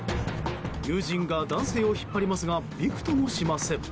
友人が男性を引っ張りますがびくともしません。